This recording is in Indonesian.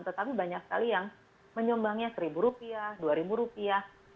tetapi banyak sekali yang menyumbangnya seribu rupiah dua ribu rupiah